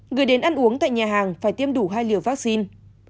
người đến ăn uống tại nhà hàng phải tiêm đủ hai lần